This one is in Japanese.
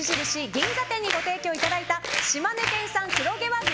銀座店にご提供いただいた島根県産黒毛和牛